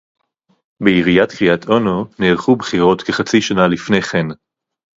בעיריית קריית-אונו נערכו בחירות כחצי שנה לפני כן